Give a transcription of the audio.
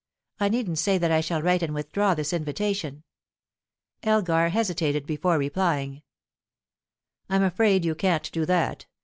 I needn't say that I shall write and withdraw this invitation." Elgar hesitated before replying. "I'm afraid you can't do that.